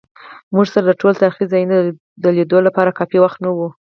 موږ سره د ټولو تاریخي ځایونو د لیدو لپاره کافي وخت نه و.